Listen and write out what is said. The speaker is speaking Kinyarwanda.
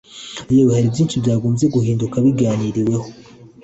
yewe hali byinshi byakagomye guhinduka biganiriweho.